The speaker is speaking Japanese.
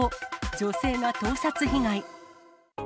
女性が盗撮被害。